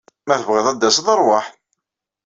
Ma tebɣiḍ ad d-taseḍ, rwaḥ.